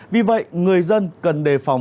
vì vậy người dân cần đề phòng